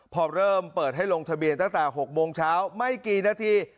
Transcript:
พอเริ่มเปิดให้ลงทะเบียนตั้งแต่๖โมงเช้าไม่กี่นาที